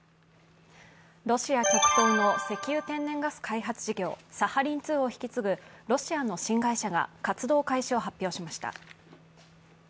ロシア極東の石油・天然ガス開発事業、サハリン２を引き継ぐロシアの新会社が活動開始を発表しました。